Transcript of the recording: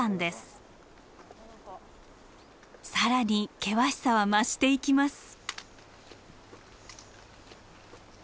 更に険しさは増していきます。